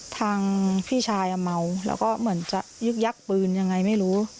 ทางพี่ชายเมาแล้วก็เหมือนจะยึกยักปืนยังไงไม่รู้